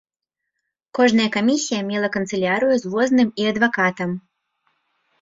Кожная камісія мела канцылярыю з возным і адвакатам.